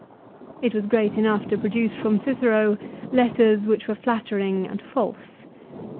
1 It was great enough to produce from Cicero letters which were flattering and false.